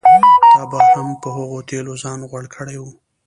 تا به هم په هغو تېلو ځان غوړ کړی و.